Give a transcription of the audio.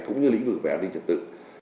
cũng như lĩnh vực an ninh trực tự